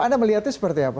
anda melihatnya seperti apa